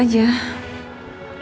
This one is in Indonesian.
saya cuma ngantuk aja